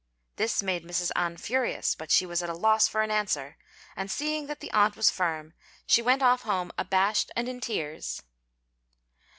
This made Mrs. An furious; but she was at a loss for an answer, and, seeing that the aunt was firm, she went off home abashed and in tears.